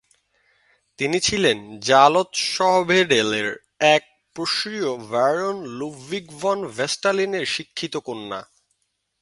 তিনি ছিলেন জালৎসভেডেল'এর এক প্রুশীয় ব্যারন লুডভিগ ফন ভেস্টফালেন'এর শিক্ষিত কন্যা।